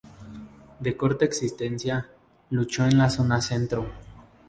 De corta existencia, luchó en la zona centro.